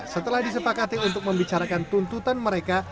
setelah disepakati untuk membicarakan tuntutan mereka